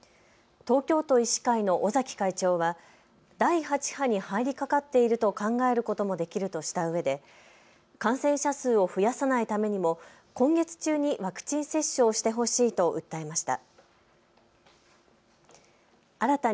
東京都医師会の尾崎会長は第８波に入りかかっていると考えることもできるとしたうえで感染者数を増やさないためにも今月中にワクチン接種をしてほしいと訴えました。